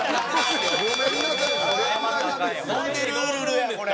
ほんで「ルールル」やこれ。